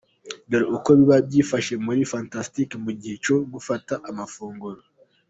Dore uko biba byifashe muri Fantastic mu gihe cyo gufata amafunguro:.